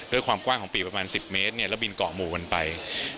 ด้วยความกว้างของปีกประมาณ๑๐เมตรแล้วบินเกาะหมู่กันไป